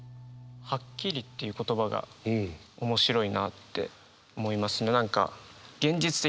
「はっきり」っていう言葉が面白いなって思います。